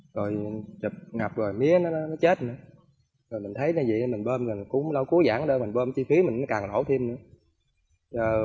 rồi chụp ngập rồi mía nó chết nữa rồi mình thấy như vậy mình bơm cũng lâu cuối giãn nữa mình bơm chi phí mình nó càng nổ thêm nữa